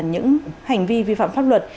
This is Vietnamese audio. những hành vi vi phạm pháp luật